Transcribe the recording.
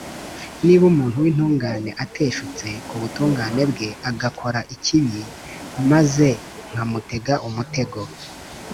Niba umuntu w'intungane ateshutse ku butungane bwe agakora ikibi maze nkamutega umutego